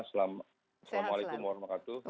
assalamualaikum warahmatullahi wabarakatuh